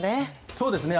そうですね。